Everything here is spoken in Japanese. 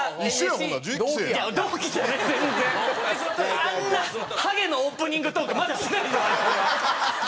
あんなハゲのオープニングトークまだしないです我々は。